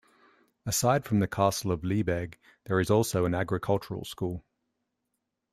Aside from the Castle of Liebegg, there is also an agricultural school.